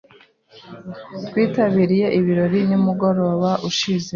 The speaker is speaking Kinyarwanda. Twitabiriye ibirori nimugoroba ushize.